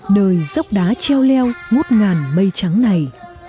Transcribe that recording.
nơi dốc đá treo leo ngút ngàn mây trắng này